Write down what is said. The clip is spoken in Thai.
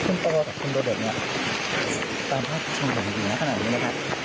สั้นตัวจากคนโทดยะเนี่ยตามให้ผู้ชมเหล่านี้ด้านขนาดนี้นะครับ